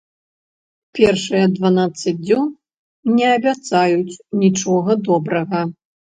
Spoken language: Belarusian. Першыя дванаццаць дзён не абяцаюць нічога добрага.